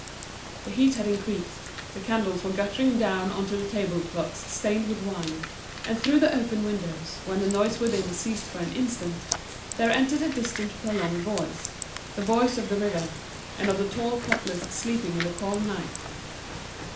The heat had increased, the candles were guttering down on to the table cloths stained with wine; and through the open windows, when the noise within ceased for an instant, there entered a distant prolonged voice, the voice of the river, and of the tall poplars sleeping in the calm night.